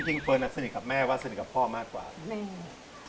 เฟิร์นอ่ะสนิทกับแม่ว่าสนิทกับพ่อมากกว่าอืม